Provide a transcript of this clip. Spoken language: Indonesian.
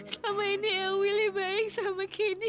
selama ini eyang willy baik sama kendi